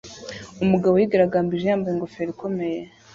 Umugabo yigaragambije yambaye ingofero ikomeye